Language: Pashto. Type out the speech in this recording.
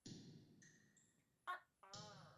د دوبی موسم ده